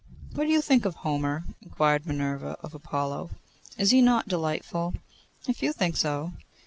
'What do you think of Homer?' inquired Minerva of Apollo. 'Is he not delightful?' 'If you think so.